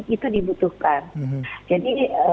itu dibutuhkan jadi